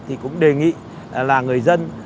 thì cũng đề nghị là người dân